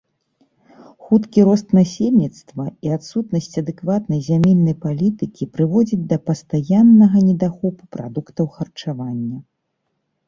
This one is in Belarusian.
Хуткі рост насельніцтва і адсутнасць адэкватнай зямельнай палітыкі прыводзяць да пастаяннага недахопу прадуктаў харчавання.